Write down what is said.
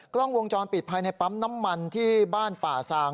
กล้องวงจรปิดภายในปั๊มน้ำมันที่บ้านป่าซาง